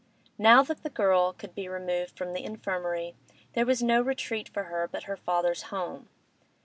Now that the girl could be removed from the infirmary, there was no retreat for her but her father's home.